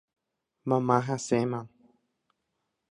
Mama hasẽma.